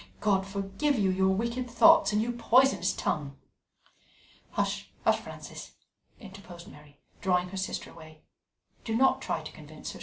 God forgive you your wicked thoughts and your poisonous tongue!" "Hush, hush, Frances!" interposed Mary, drawing her sister away. "Do not try to convince her.